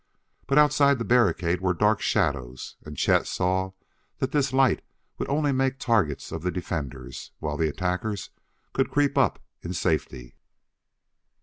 But outside the barricade were dark shadows, and Chet saw that this light would only make targets of the defenders, while the attackers could creep up in safety.